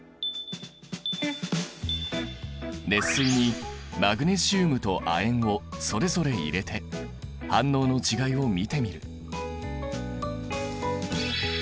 熱水にマグネシウムと亜鉛をそれぞれ入れて反応の違いを見てみる。